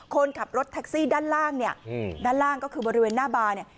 คนขับรถแท็กซี่ด้านล่างเนี่ยด้านล่างก็คือบริเวณหน้าบาร์เนี่ย